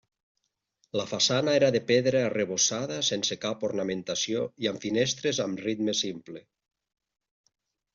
La façana era de pedra arrebossada sense cap ornamentació i amb finestres amb ritme simple.